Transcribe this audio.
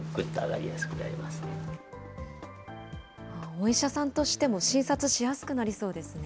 お医者さんとしても診察しやすくなりそうですね。